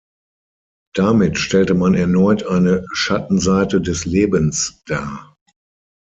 Damit stellte man erneut eine Schattenseite des Lebens dar.